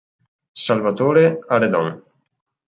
Salvatore a Redon.